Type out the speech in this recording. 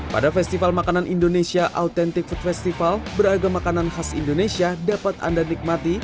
pada festival makanan indonesia authentic food festival beragam makanan khas indonesia dapat anda nikmati